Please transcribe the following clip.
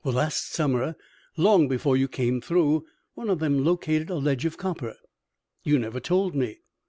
"Well, last summer, long before you came through, one of them located a ledge of copper." "You never told me."